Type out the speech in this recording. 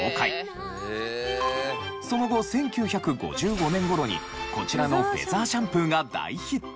その後１９５５年頃にこちらのフェザーシャンプーが大ヒット。